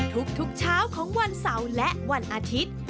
ทุกเช้าของวันเสาร์และวันอาทิตย์